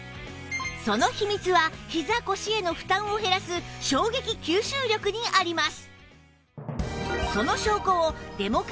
その秘密はひざ腰への負担を減らす衝撃吸収力にあります